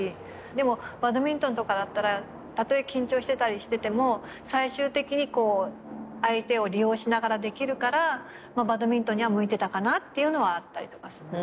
でもバドミントンとかだったらたとえ緊張してたりしてても最終的に相手を利用しながらできるからバドミントンに向いてたかなっていうのはあったりとかする。